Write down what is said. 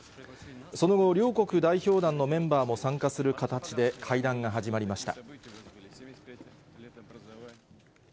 その後、両国代表団のメンバーも参加する形で会談が始まりました。